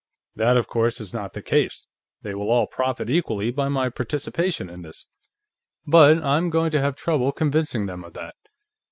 That, of course, is not the case; they will all profit equally by my participation in this. But I'm going to have trouble convincing them of that."